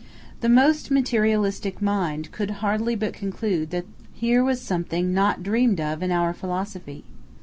The most materialistic mind could hardly but conclude that here was something "not dreamed of in our philosophy."